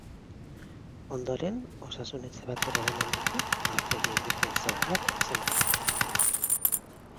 Ondoren, osasun-etxe batera eraman dute, aurpegian dituen zauriak sendatzeko.